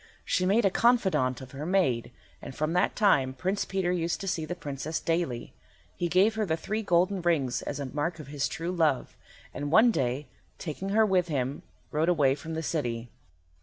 She made a confidante of her maid, and from that time Prince Peter used to see the Princess daily. He gave her the three golden rings as a mark of his true love, and one day, taking her with him, rode away from the city.